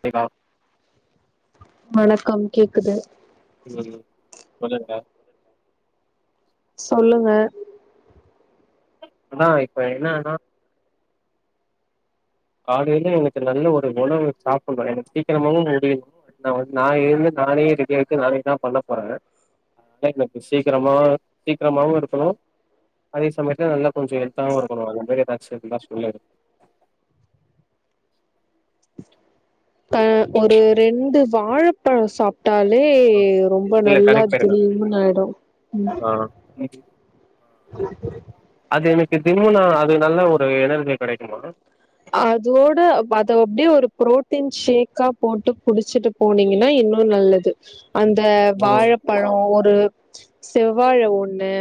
போயி பா வணக்கம் கேட்குது ம் சொல்லுங்க சொல்லுங்க என்னா இப்ப என்னானா காலையில எனக்கு நல்ல ஒரு உணவு சாப்புட்ணு எனக்கு சீக்கிரமாவு முடியுனு நா வந்து நா எழுந்து நானே ரெடியாயிட்டு நானேதா பண்ண போற லைக் எனக்கு சீக்கிரமா சீக்கிரமாவு இருக்கணு அதே சமயத்துல நல்ல கொஞ்சோ ஹெல்த்தாவு இருக்கணு அந்த மாரி எதாச்சு இருந்தா சொல்லு ப ஒரு ரெண்டு வாழைப் பழோ சாப்ட்டாலே ம். ரொம்ப இல்ல நல்லா கடைக்கு திம்முனு ஆயிடு, ம் இது, ஆ என்னது அது எனக்கு திம்முனா அது நல்ல ஒரு எனர்ஜி கெடைக்குமா அதோட அத அப்படியே ஒரு புரோட்டீன் ஷேக்கா போட்டு குடிச்சிட்டு போனிங்கன்னா இன்னு நல்லது அந்த ஓ வாழைப்பழோ ஒரு செவ்வாழை ஒண்ணு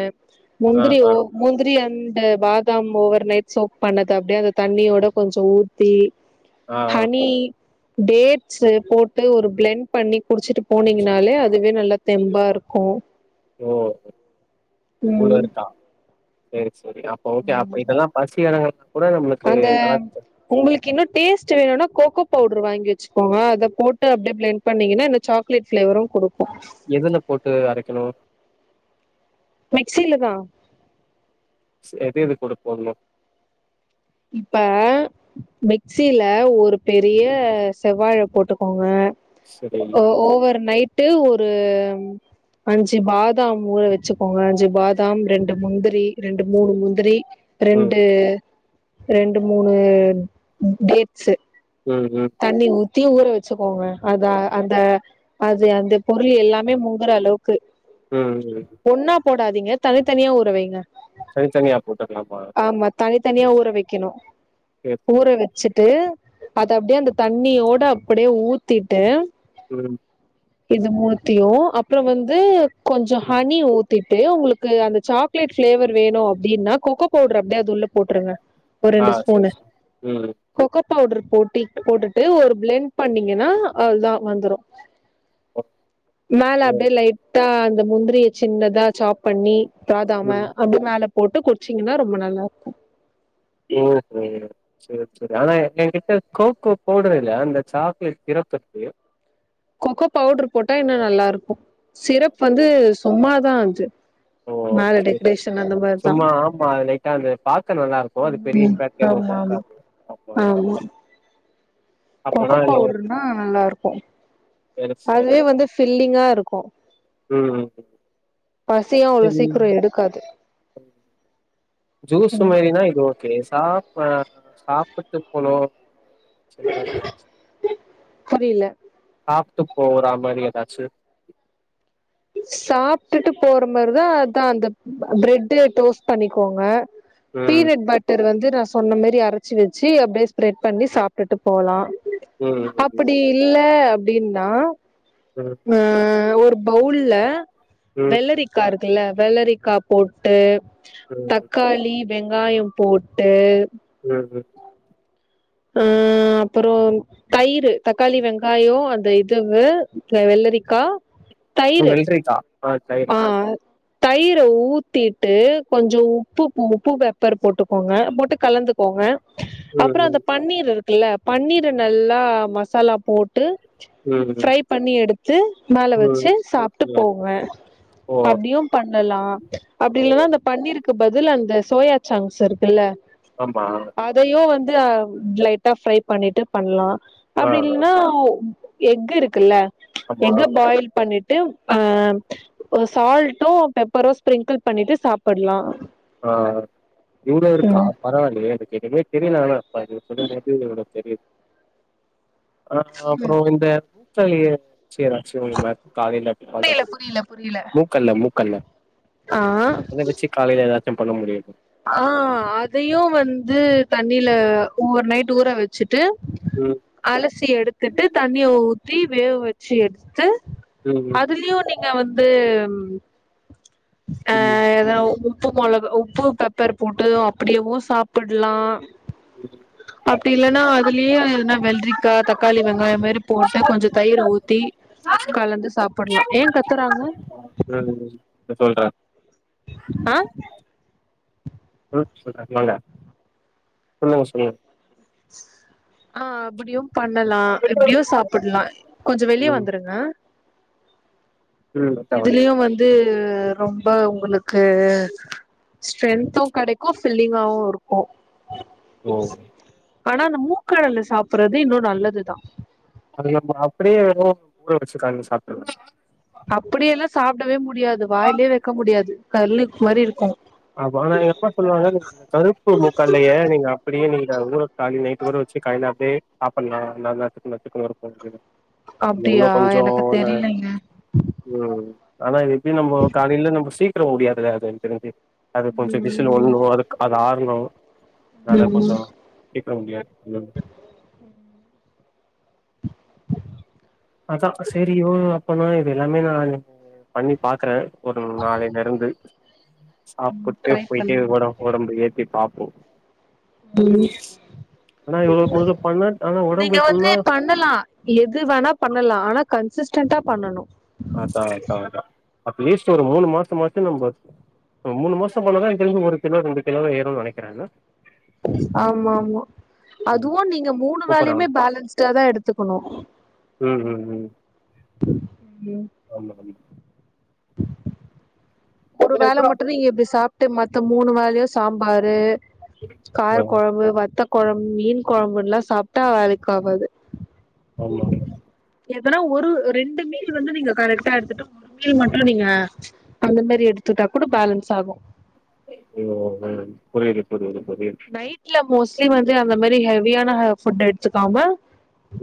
ஆ முந்திரி ஆ ஓ முந்திரி அன்டு பாதாம் ஓவர் நைட் சோப் பண்ணது அப்டியே அந்த தண்ணியோட கொஞ்சோ ஊத்தி ஆ ஆ ஆ ஹனி டேட்ஸு போட்டு ஒரு பிளண்ட் பண்ணி குடிச்சிட்டு போனீங்னாலே அதுவே நல்ல தெம்பா இருக்கு ஓ இவ்ளோ ம் இருக்கா சேரி சேரி அப்ப ஓகே அ இதெல்லா பசி அடங்கல அந்த உங்களுக்கு இன்னு டேஸ்ட் வேணும்னா கோகோ பவுடர் வாங்கி வச்சுக்கோங்க அத போட்டு அப்டே பிளண் பண்ணீங்கன்னா இந்த சாக்லேட் ஃப்ளேவரு குடுக்கு எதுல போட்டு அரைக்கணு மிக்ஸில தா சே எது எது கூட போட்ணு இப்ப மிக்சில ஒரு பெரிய செவ்வாழ போட்டுக்கோங்க சரி ஓ ஓவர் நைட்டு ஒரு அஞ்சி பாதாம் ஊர வச்சுக்கோங்க அஞ்சி பாதாம் ரெண்டு முந்திரி ரெண்டு மூனு சரி முந்திரி ம் ரெண்டு ரெண்டு மூணு டேட்ஸ் ம் ம் தண்ணி ஊத்தி ஊற வச்சுக்கோங்க அத அந்த அது அந்த பொருள் எல்லாமே முங்குற அளவுக்கு ம் ம் ஒண்ணா போடாதிங்க தனித்தனியா ஊறவைங்க தனித்தனியா போட்டுக்கலாமா ஆமா தனி தனியா சரி ஊற வெக்கணு சரி சரி சரி ஊற வெ ச்சுட்டு அத அப்டியே அந்த தண்ணியோட அப்டியே ஊத்திட்டு ம் இது மூனுத்தியு அப்புற வந்து கொஞ்ச ம் ஹனி ஊத் திட்டு உங்களுக்கு அந்த சாக்லேட் ஃப்ளேவர் வேணு அப்டின்னா கோகோ பவுடர் அப்டியே உள்ள போட்டுருங்க ஒரு ஆ ரெண்டு சரி ஸ்பூனு சரி ம் கொக்கோ பவுடர் போட்டி போட்டுட்டு ஒரு பிளண்ட் பண்ணீங்கன்னா அவ்ள தா வந்துரு ஒ மேல அப்டே லைட்டா அந்த முந்திரிய சின்னதா சாப் பண்ணி பாதாம ம் அப்டே மேல போட்டு குடிச்சிங்கன்னா ரொம்ப நல்லாருக்கும் [unintelligible] சேரி சேரி ஆனா என்கிட்ட கோகோ பவுடர் இல்ல அந்த சாக்லேட் சிறப் இருக்கு கொக்கோ பவுடர் போட்டா இன்னு நல்லாருக்கும் சிரப் அது வந்து சும்மாதா அது ஓ மேல சரி சரி டெக்கரேஷன் அந்த மாரி தா சும்மா ஆமா அது லைட்டா அது பாக்க நல்லா இருக்கு அது பெரிய ம் இம்பாக்ட் எதுவு ஆமாமா குடுக்காது அது ஆமா கரெக்ட். கொக்கோ அப்பனா எ பவுடருனா நல்லாருக்கும் பெருசா அதுவே வந்து இருக்கும். ஃபில்லிங்கா இருக்கும் ம் பசியோ அவ்ளோ சீக்கிர சரி எடுக்காது ஜூஸ் மாரினா இது ஓகே சாப்பா சாப்புட்டு போனு செய்வாங்களா புரில சாப்ட்டு போறா மாரி எதாச்சு சாப்ட்டுட்டு போற மாரிதா அதா அந்த பிரெட் டோஸ்ட் பண்ணிக்கோங்க ம் பீனட் பட்டர் வந்து நா சொன்ன மேரி அரச்சு வச்சி அப்டே ஸ்ப்ரெட் பண்ணி சாப் ட்டுட்டு போலா ம் அப்டி இல்ல அப்டின்னா உம் ஆ ஒரு பவுல்ல ம் வெள்ளரிக் இருக்கல்ல வெள்ளரி கா போட்டு ம் தக்காளி வெங்காயம் போட்டு உம் உம் ஆ அப்புறோ தயிர் தக்காளி வெங்காயோ அந்த இதுவு வெள்ளரிக்கா அ தயிரு வெள்ளரிக்கா ஆ தயிர ஊத்திட்டு கொஞ்சோ உப்பு உப்பு பெப்பர் போட்டுக்கோங்க போட்டு கலந்து போங்க அப்புறோ அந்த ம் பன்னீர் இருக்குல்ல பன்னீர நல்லா மசாலா போ ட்டு ம் ம் ஃப்ரை பண்ணி எடுத்து மேல ம் ம் வச்சு சாப்ட்டு ம் போங்க ஓ அப்டியும் பண்ணலா அப்டி ஓ இல்லன்னா அந்த பண்ணிருக்கு பதில் அந்த சோயா சங்ஸ் இருக்குல்ல ஆமா அதையோ வந்து அ லைட்டா ஃப்ரை பண்ணிட்டு பண்ணலா ஆ அப்டி ஆ இல்லன்னா எக் இருக்குல்ல ஆமா எக்கு பாயில் பண்ணிட்டு அ ஓ சால்ட்டும் பெப்பரோ ஸ்பிரிங்கிள் பண்ணிட்டு சாப்புடலா ஆ இங்க இருக்கா பரவாயில்லயே எனக்கு நிறைய தெரியல ஆனா நீங்க சொல்லுறது தெரிது அ அப்பறோ ம் இந்த [unintelligible] [unintelligible] காலையில புரியல புரியல புரியல மூக்கல்ல மூக்கல்ல ஆ அத வச்சு காலையில ஏதாச்சு பண்ண முடியுமா ஆ அதயு வந்து தண்ணில ஓவர் நைட்டு ஊற வச்சுட்டு ம் அலசி எடுத்துட்டு தண்ணிய ஊத்தி வேவ வச்சு எடுத்து ம் ம் அதுலியு நீ நீங்க வந்து ம் ஏதாவ உப்பு மொள உப்பு பெப்பர் போட்டது அப்டியேவு சாப்புலா அப்டி இல்லன்னா அதுலயே எதுனா வெள்ரிக்கா தக்காளி வெங்காய் மாரி போட்டு கொஞ்சோ தயிரு ஊத்தி கலந்து சாப்ட்லா ஏ கத்துறாங்க ம் ம் இப்ப சொல்றே ஆ [unintelligible] சொல்லுங்க சொல்லுங்க ஆ அப்டியு பண்ணலா இப்டியு சாப்ட்டலா கொஞ்ச வெளியே ம் வந்துருங்க ம் வன்ட்டே வன்ட்டே இதுலயு வந்து ரொம்ப உங்களுக்கு ஸ்ட்ரென்த்தும் கெடைக்கு ஃபில்லிங்காவு இருக்கு ஓ ஆனா அந்த மூக்கடல சாப்ட்றது இன்னு நல்லதுதா அது நம்ம அப்டியேவோ ஊற வச்சு கால்ல சாப்ட்டலா அப்டியல்லா சாப்படவே முடியாது வாயிலயே வெக்க முடியாது கல்லுக் மாரி இருக்கு அப்ப ஆனா எங்க அம்மா சொல்லுவாங்க நீங்க அந்த கருப்பு முக்கால்லயே நீங்க அப்டியே நீங்க ஊற கால்ல நைட்டு கூட வச்சு காலையில அப்டியே சாப்டலா ந [unintelligible] இருக்கு அது இன்னு அப்டியா கொஞ்சோ எனக்கு ந தெரிலங்க ம் ஆன இது எப்டி நம்ம காலையில நம்ம சீக்கிர முடியாதுல அது எனக்கு தெரிஞ்சு அது கொஞ்சோ விசில் ம் உட்ணு அதுக்கு அது ஆற்ணு அதனால ம் கொஞ்சோ சீக்கிரோ முடியாது ம் அதா செரி ஓ அப்பனா இப்ப எல்லாமே ந [inaudible] பண்ணி பாக்குறே ஒரு நாளையிலருந்து சாப்ட்டு ட்ரை போய்ட்டே பண்ணுங்க ஒடம்பு ஒடம்ப ஏத்தி பாப்போ ஆன [inaudible] ஆன ஒடம்பு நீங்க வந்து எத்துனுனா பண்ணலா எது வேணா பண்ணலா ஆனா கன்சிஸ்டன்டா பண்ணனு அதா அதா அதா அட்லீஸ்ட் ஒரு மூணு மாசம்மாச்சு நம்ப ஒரு மூணு மாசம் போனதா எனக்கு தெரிஞ்சி ஒரு கிலோ ரெண்டு கிலோவே ஏறும்னு நெனைக்கிறே ஆமா ஆமா ஆமா அதுவு நீங்க மூணு கூப்பட்றே வேலையுமே பேலன்ஸ்டா தா எடுத்துக்கணு ம் ம் ம் ம் ஆமா ஆம் ஒரு வேல மட்டு நீங்க இப்டி சாப்ட்டு மத்த மூணு வேலையையு சாம்பாரு கார ஆமா கொழம்பு வத்த கொழம் மீன் கொழம்புல்லா சாப்டா வேலைக்காவாது ஆமா ஆ எதனா ஒரு ரெண்டு மீல் வந்து நீங்க கரெக்டா எடுத்துட்டு ஒரு மீல் மட்டு நீங்க அந்த மாரி எடுத்துட்டா கூட பேலன்ஸ் ஆகு ம் ம் புரிது புரிது புரிது நைட்ல மோஸ்ட்லி வந்து அந்த மாரி ஹெவியான ஹ ஃபுட் எடுத்துக்காம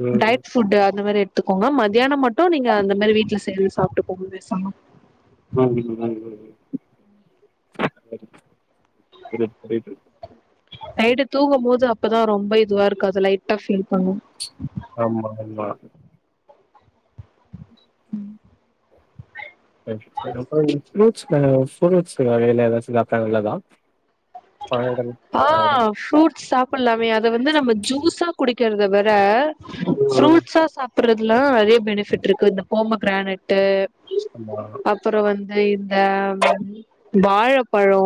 ம் டயட் ஃபுட்டு அந்த மாரி எடுத்துக்கோங்க மதியானோ மட்டு நீங்க அந்த மாரி வீட்ல செய்றது சாப்ட்டு போங்க பேசாமா ம் ம் ம் சேரி புரிது புரிது நைட்டு தூகுபோது அப்தா ரொம்ப இதுவா இருக்காது லைட்டா ஃபீல் பண்ணுவோ ஆமா ஆமா ம் சேரி சேரி அப்றே ஃப்ரூட்ஸ் ஃப்ரூட்ஸ்ல வகைல ஏதாவது சாப்ட்டா நல்லதா பழங்கள், ஆ பழங்கள். ஃப்ரூட்ஸ் சாப் டலாமே அத வந்து நம்ம ஜூஸா குடிக்கிறத விட ம். ஃப்ரூட்ஸா சாப் பறதுல்லா தா நெறையா பெனிஃபிட் இருக்கு இந்த போமகெரனட்டு ஆமா அப்றோ வந்து இந்த வாழப்பழோ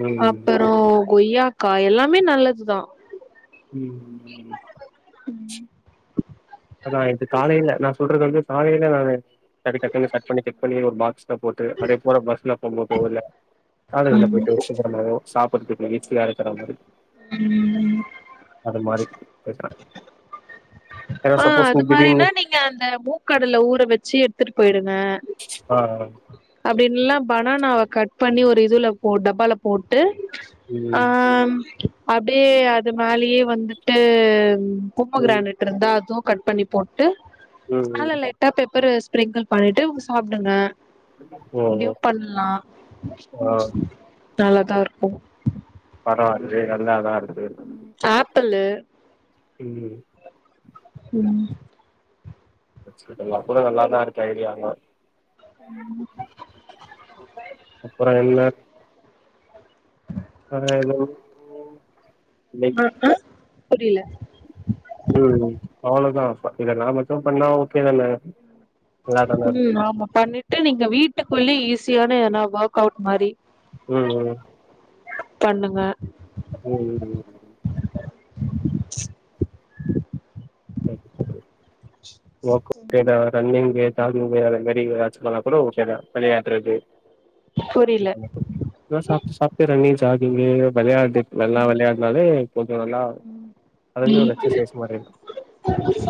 ம் அப்றோ கொய்யாக்கா எல்லாமே நல்லது தா ம் ம் நா இது காலையில நா சொல்றது வந்து காலயில நானு டக்கு டக்குனு கட் பண்ணி கிட் பண்ணி ஒரு பாக்ஸ் ஐ போட்டு அதே போல பஸ்ல போகுபோது இல்ல காலேஜ்ல ம் போயிட்டு சாப்பட்றதுக்கு ஈஸியாக இருக்கற மாரி ம் அது மாரி கேக்ற ஆ அது மாரினா திடீர்னு நீங்க அந்த மூக்கடல ஊற வச்சு எத்துட்டு போயிடுங்க ஆ அ அப்டி இல்லானா பனானாவ கட் பண்ணி ஒரு இதுல போ டப்பால போட்டு ஆ ம். அப்டியே அது மேலயே வந்துட்டு ம். போமோகிரணட் இருந்தா அதுவு கட் பண்ணி போட்டு மேல ம். லைட் டா பெப்பர் ஸபேரெட் பண்ணிட்டு சாப்டுங்க ஓ! இப்டியு பண்ணலா ஆ நல்லாதா இருக்கு பரவா இல்லயே நல்ல தா இருக்கு ஆப்பிளு ம் ம் இந்த லப்பரே நல்லாதா இருக்கு ஐடியாங்க ம் அப்றோ என்ன ஹலோ ஆ அ புரில ம் அவ்ளோதா இத நா மட்டு பண்ணா ஓகே தான நல்லாதான இருக்கும் ம் ஆமா பண்ணிட்டு நீங்க வீட்டுக்குள்ள ஈஸியான எதனா ஒர்க் அவுட் ம் ம் பண்ணுங்க ம் ம்‌‌ ம் ம் ஓகே‌ தா ரன்னிங்கு ஜாகிங்கு அது மாரி பண்ணா கூட ஓகே தா புரில என்ன சாப்ட்டு சாப்ட்டே ரன்னிங் ஜாகிங்க வெலயா நல்லா வெளையாடுனாலே கொஞ்ச நல்லா அதுவே ஒரு எ்சசேஷ் மாதிரி இருக்கு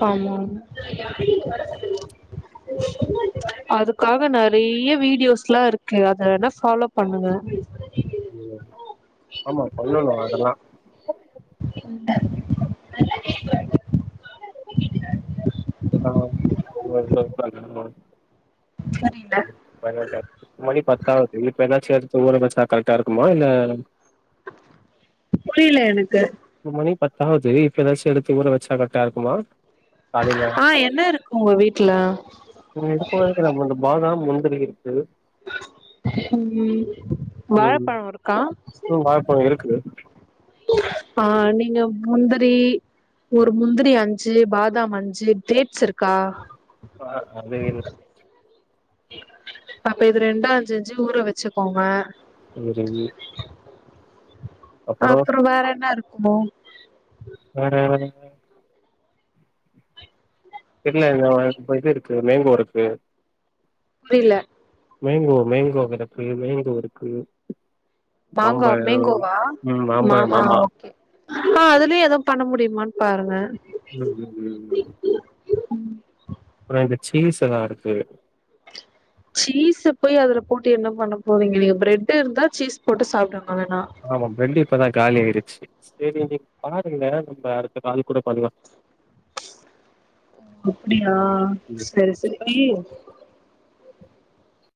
ஆமா அதுக்காக நிறைய வீடியோஸ் எல்லாம் இருக்கு அத வேண ஃபாலோ பண்ணுங்க உ ஆமா [unintelligible] வரல்லாம் ம் [inaudible] சரி மணி பத்தாவது இப்ப என்னாச்சும் ஊற வெச்சா கரெக்டா இருக்குமா இல்ல புரியல எனக்கு இப்ப மணி பத்தாவது இப்ப ஏதாச்சும் எடுத்து ஊற வெச்சா கரக்ட்டா இருக்குமா காலையில ஆ என்ன இருக்கு உங்க வீட்டுல இது [unintelligible] நம்ம அந்த பாதாம் முந்திரி இருக்கு ம் ம் வாழைப்பழம் இருக்கா ம் வாழப்பழம் இருக்கு ஆ நீங்க முந்திரி ஒரு முந்திரி அஞ்சு பாதாம் அஞ்சு கிரேப்ஸ் இருக்கா ஆ அது இல்ல அப்ப இது ரெண்டும் அஞ்சு அஞ்சு ஊற வச்சுக்கோங்க ஹலோ ஜெமினி அப்புறம் வேற என்ன இருக்குமோ வேற தெரியல இ இது இருக்கு மேங்கோ இருக்கு புரியல மேங்கோ மேங்கோ கிடக்கு மேங்கோ இருக்கு மாங்கா மாம்பழம் மேங்கோவா ம் மாம்பழம் ஆமா ஓகே ஆ அதுலயும் எதா பண்ண முடியுமானு பாருங்க ம் ம் ம் அப்புறம் இந்த சீஸ் எல்லாம் இருக்கு சீஸ போய் அதுல போட்டு என்ன பண்ண போறீங்க நீங்க பிரெட்டு் இருந்தா சீஸ் போட்டு சாப்பிடுங்க வேணா ஆமாம் பிரெட் இப்பதான் காலி ஆயிடுச்சு சரி நீங்க பாருங்க நம்ம அடுத்த கால கூட பண்லாம் அப்படியா சரி சரி